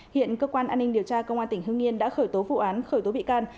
hiện cơ quan an ninh điều tra công an tp hcm đã khởi tố vụ án khởi tố bị can